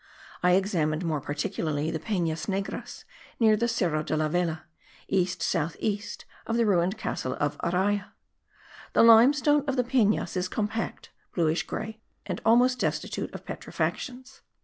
I examined more particularly the Penas Negras near the Cerro de la Vela, east south east of the ruined castle of Araya. The limestone of the Penas is compact, bluish grey and almost destitute of petrifactions.